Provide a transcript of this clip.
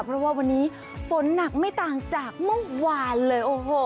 เพราะว่าวันนี้ฝนหนักไม่ต่างจากเมื่อวานเลยโอ้โห